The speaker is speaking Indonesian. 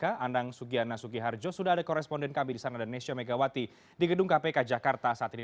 andang sugiana sugiharjo sudah ada koresponden kami di sana ada nesya megawati di gedung kpk jakarta saat ini